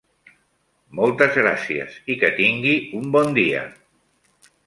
Moltes gràcies i que tingui un bon dia.